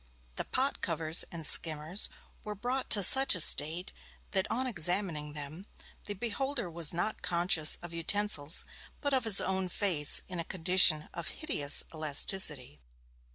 The pot covers and skimmers were brought to such a state that, on examining them, the beholder was not conscious of utensils, but of his own face in a condition of hideous elasticity.